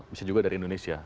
bisa juga dari indonesia